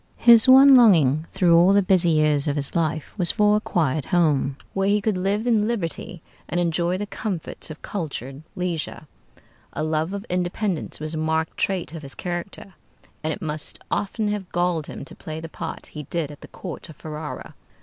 His one longing through all the busy years of his life was for a quiet home, where he could live in liberty and enjoy the comforts of cultured leisure. A love of independence was a marked trait of his character, and it must often have galled him to play the part he did at the court of Ferrara.